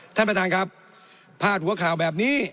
ท่านประธานครับพาดหัวข่าวแบบนี้